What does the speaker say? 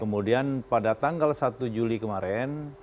kemudian pada tanggal satu juli kemarin